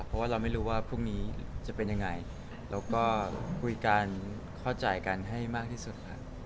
เพราะว่าเราไม่รู้ว่าพรุ่งนี้จะเป็นยังไงเราก็คุยกันเข้าใจกันให้มากที่สุดครับ